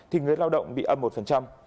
thì người lao động bị âm một